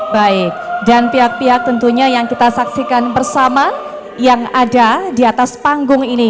baik dan pihak pihak tentunya yang kita saksikan bersama yang ada di atas panggung ini